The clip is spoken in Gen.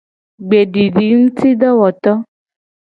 Gbedidingutidowoto.